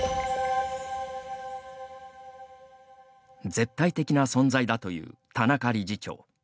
絶対的な存在だという田中理事長。